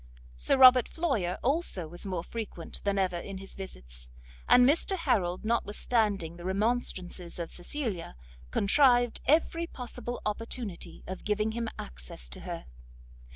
Sir Robert Floyer also was more frequent than ever in his visits, and Mr Harrel, notwithstanding the remonstrances of Cecilia, contrived every possible opportunity of giving him access to her.